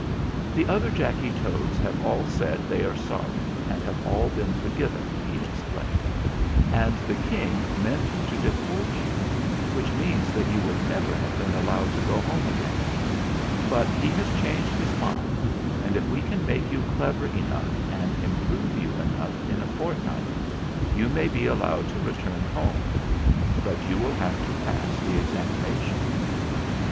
"The other Jacky Toads have all said they are sorry and have all been forgiven," he ex plained ; "and the King meant to deport you which means that you would never have been allowed to go home again ; but he has changed his mind, and if we can make you clever enough and improve you enough in a fortnight, you may be allowed to return home. But you will have to pass the examination."